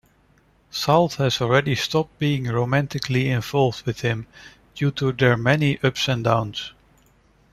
Salt had already stopped being romantically involved with him due to their many ups-and-downs.